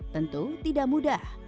tentu tidak mudah